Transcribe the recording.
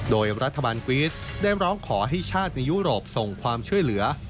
โดยรัฐบาลกวีสได้ร้องขอให้ชาติในยุโรปส่งความช่วยเหลือ